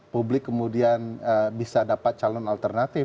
publik kemudian bisa dapat calon alternatif